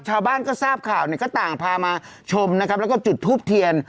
ชาวบ้านก็ทราบข่าวเนี่ยก็ต่างพามาชมนะครับแล้วก็จุดทูปเทียน